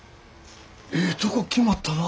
ええとこ決まったな。